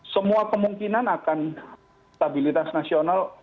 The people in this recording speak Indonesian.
semua kemungkinan akan stabilitas nasional